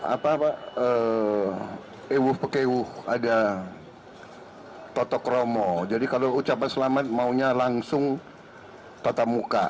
apa apa eh iwuh pekewuh ada hai toto kromo jadi kalau ucapan selamat maunya langsung patah muka